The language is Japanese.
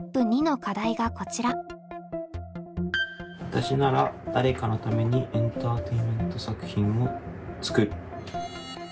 わたしなら誰かのためにエンターテインメント作品を作る。